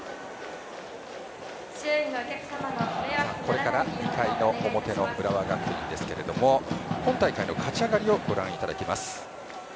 これから２回の表の浦和学院ですけども今大会の勝ち上がりをご覧いただきます。